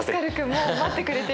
もう待ってくれてる。